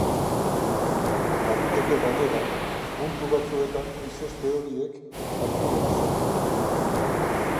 Baliteke, gainera, puntu batzuetan izozte horiek handiak izatea.